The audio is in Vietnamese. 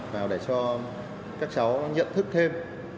vào để cho các cháu nhận thức thêm